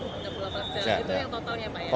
enam puluh delapan persen itu yang totalnya pak